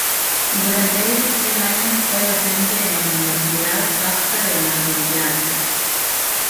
Durante esos tres años fue docente en la Universidad Fasta de Mar del Plata.